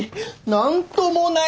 何ともない！